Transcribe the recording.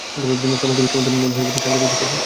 সমগ্র বিশ্বের মধ্যে মূহের প্রতি শান্তি বর্ষিত হোক।